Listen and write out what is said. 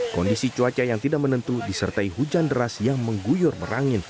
kondisi cuaca yang tidak menentu disertai hujan deras yang mengguyur merangin